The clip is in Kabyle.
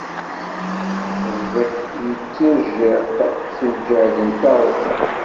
Ẓdec yettijiq s lǧahd n taɣect.